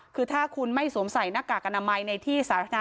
คือถ้าคุณไม่สวมใส่หน้ากากอนามัยในที่สาธารณะ